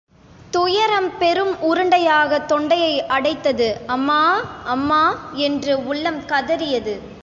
துயரம் பெரும் உருண்டையாகத் தொண்டையை அடைத்தது, அம்மா... அம்மா... என்று உள்ளம் கதறியது.